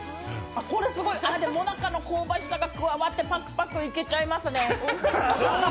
これすごい、でももなかの香ばしさが加わってパクパクいけちゃいますね。